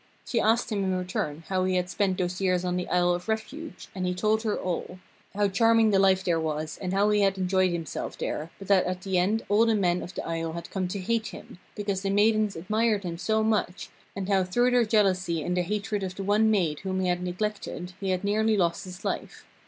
She asked him in return how he had spent those years on the Isle of Refuge, and he told her all; how charming the life there was, and how he had enjoyed himself there, but that at the end all the men of the isle had come to hate him, because the maidens admired him so much, and how through their jealousy and the hatred of the one maid whom he had neglected, he had nearly lost his life.